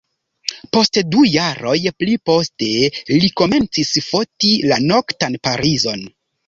Post du jaroj pli poste li komencis foti la noktan Parizon.